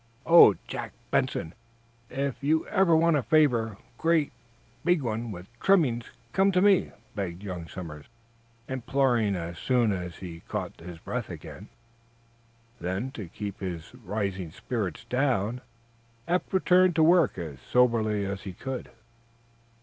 "Oh, Jack Benson, if ever you want a favor a great, big one, with trimmings come to me!" begged young Somers, imploringly as soon as he caught his breath again. Then, to keep his rising spirits down, Eph returned, to work as soberly as he could.